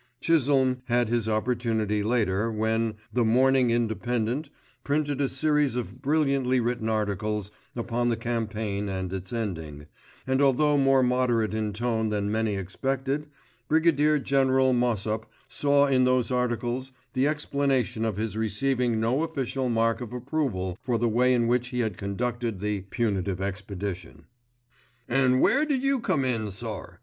Chisholme had his opportunity later, when The Morning Independent printed a series of brilliantly written articles upon the campaign and its ending, and although more moderate in tone than many expected, Brigadier General Mossop saw in those articles the explanation of his receiving no official mark of approval for the way in which he had conducted the —— Punitive Expedition. "An' where did you come in, sir?"